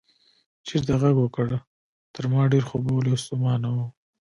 چپرکټ غږ وکړ، تر ما ډېر خوبولی او ستومانه و.